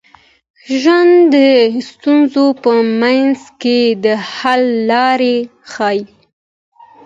ژوند د ستونزو په منځ کي د حل لارې ښيي.